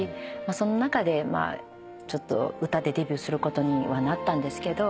その中で歌でデビューすることにはなったんですけど。